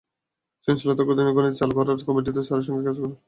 সৃজনশীল গণিত চালু করার কমিটিতেও স্যারের সঙ্গে কাজ করার সৌভাগ্য আমার হয়েছে।